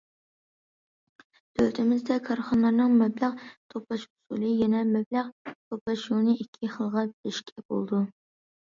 دۆلىتىمىزدە كارخانىلارنىڭ مەبلەغ توپلاش ئۇسۇلى، يەنى مەبلەغ توپلاش يولىنى ئىككى خىلغا بۆلۈشكە بولىدۇ.